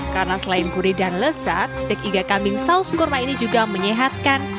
karena selain purih dan lezat stik iga kambing saus kurma ini juga menyehatkan